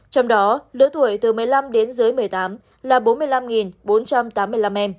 trong đó lứa tuổi từ một mươi năm đến dưới một mươi tám là bốn mươi năm bốn trăm tám mươi năm em